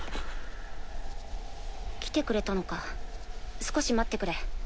来てくれたのか少し待ってくれ。